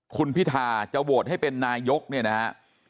คุณพิธาจะโหวตให้เป็นนายกเนี่ยนะฮะ